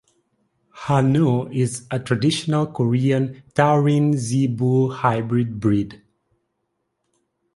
Han-u is a traditional Korean taurine-zebu hybrid breed.